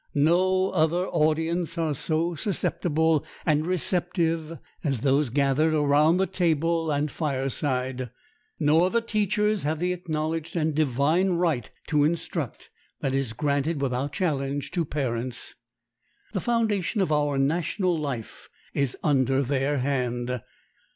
No other audience are so susceptible and receptive as those gathered about the table and fireside; no other teachers have the acknowledged and divine right to instruct that is granted without challenge to parents. The foundation of our national life is under their hand.